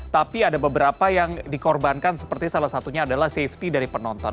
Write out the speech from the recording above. tapi ada beberapa yang dikorbankan seperti salah satunya adalah safety dari penonton